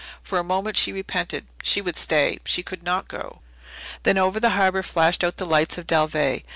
For a moment she repented she would stay she could not go. Then over the harbour flashed out the lights of Dalveigh.